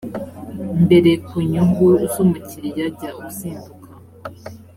mbere ku nyungu z umukiriya jya uzinduka